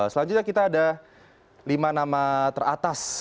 selanjutnya kita ada lima nama teratas